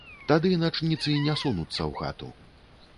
Тады начніцы не сунуцца ў хату.